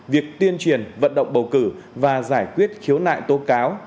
việc tuyên truyền vận động bầu cử và giải quyết khiếu nại tố cáo